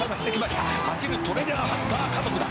「走るトレジャーハンター家族だ！